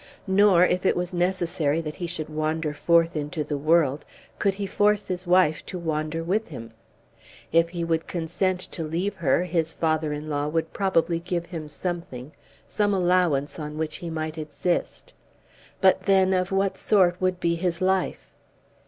Nor, if it was necessary that he should wander forth into the world, could he force his wife to wander with him. If he would consent to leave her, his father in law would probably give him something, some allowance on which he might exist. But then of what sort would be his life?